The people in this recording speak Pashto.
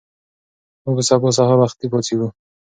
موږ به سبا سهار وختي پاڅېږو.